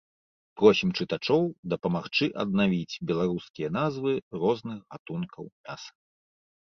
Просім чытачоў дапамагчы аднавіць беларускія назвы розных гатункаў мяса.